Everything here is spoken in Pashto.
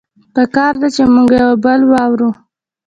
پکار ده چې مونږه يو بل واورو